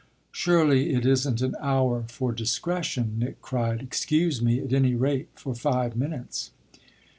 "Surely it isn't an hour for discretion!" Nick cried. "Excuse me at any rate for five minutes."